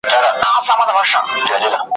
هیلۍ وویل کشپه یوه چار سته `